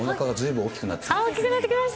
大きくなってきました。